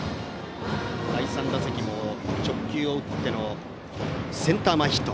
第３打席も直球を打ってのセンター前ヒット。